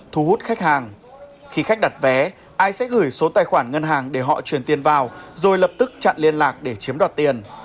thu hút khách hàng khi khách đặt vé ai sẽ gửi số tài khoản ngân hàng để họ chuyển tiền vào rồi lập tức chặn liên lạc để chiếm đoạt tiền